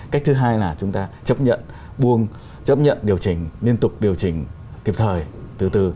cách thứ hai là chúng ta chấp nhận buông chấp nhận điều chỉnh liên tục điều chỉnh kịp thời từ từ